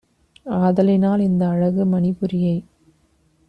ஆதலினால் இந்த அழகு மணிபுரியை